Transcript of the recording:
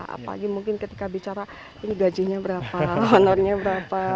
apalagi mungkin ketika bicara ini gajinya berapa honornya berapa